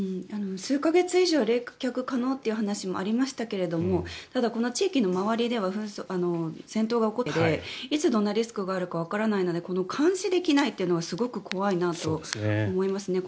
数か月以上冷却可能という話がありましたがこの地域の周りでは戦闘が起こっているわけでいつ、どんなリスクがあるかわからないので監視できないというのはすごく怖いなと思います。